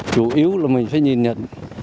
chủ yếu là mình phải nhìn nhận